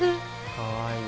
かわいい。